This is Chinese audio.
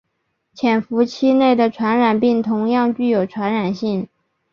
潜伏期内的传染病同样具有传染性。